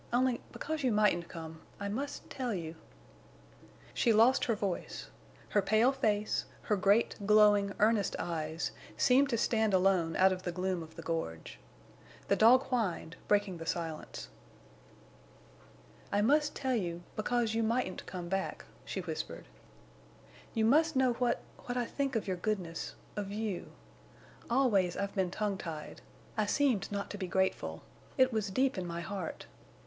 Only—because you mightn't come—I must tell you—" She lost her voice. Her pale face, her great, glowing, earnest eyes, seemed to stand alone out of the gloom of the gorge. The dog whined, breaking the silence. "I must tell you—because you mightn't come back," she whispered. "You must know what—what I think of your goodness—of you. Always I've been tongue tied. I seemed not to be grateful. It was deep in my heart.